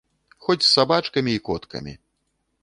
Хоць з сабачкамі і коткамі.